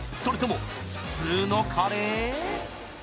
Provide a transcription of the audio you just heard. それとも普通のカレー？